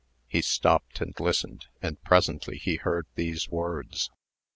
He stopt and listened and preesntly he heard these words.